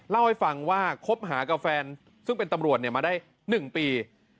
เล่าให้ฟังว่าคบหากับแฟนซึ่งเป็นตำรวจมาได้๑ปี